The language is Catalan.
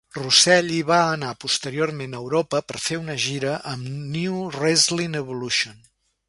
Roselli va anar posteriorment a Europa per fer una gira amb Nu-Wrestling Evolution.